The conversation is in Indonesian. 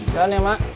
jalan ya mak